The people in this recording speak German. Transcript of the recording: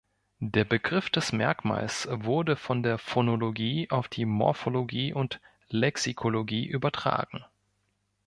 Der Begriff des Merkmals wurde von der Phonologie auf die Morphologie und Lexikologie übertragen.